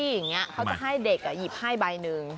อย่างนี้เขาจะให้เด็กหยิบให้ใบหนึ่ง